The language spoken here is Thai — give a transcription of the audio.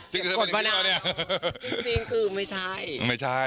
จริงคือไม่ใช่